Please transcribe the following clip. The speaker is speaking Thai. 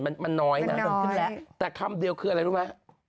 มันมันน้อยนะมันขึ้นแล้วแต่คำเดียวคืออะไรรู้ไหม